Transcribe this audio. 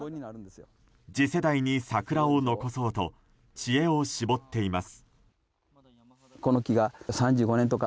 次世代に桜を残そうと知恵を絞っています。